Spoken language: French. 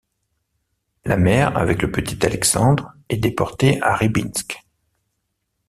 La mère avec le petit Alexandre est déportée à Rybinsk.